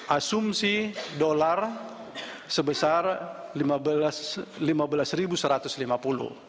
asumsi dolar sebesar rp lima belas satu ratus lima puluh